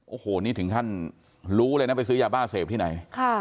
โอ้โหนี่ถึงขั้นรู้เลยนะไปซื้อยาบ้าเสพที่ไหน